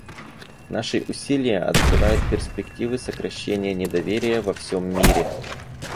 Наши усилия открывают перспективы сокращения недоверия во всем мире.